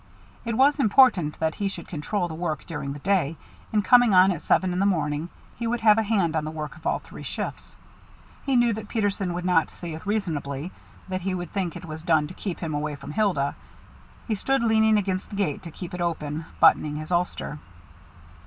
It was important that he should control the work during the day, and coming on at seven in the morning, he would have a hand on the work of all three shifts. He knew that Peterson would not see it reasonably; that he would think it was done to keep him away from Hilda. He stood leaning against the gate to keep it open, buttoning his ulster.